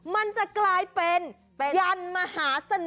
มันจะกลายเป็นยันมหาสนุก